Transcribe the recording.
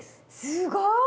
すごい！